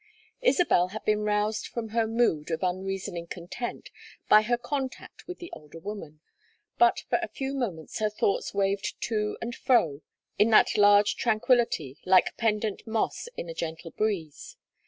Isabel had been roused from her mood of unreasoning content by her contact with the older woman, but for a few moments her thoughts waved to and fro in that large tranquillity like pendent moss in a gentle breeze.